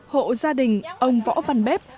hộ gia đình ông võ văn bép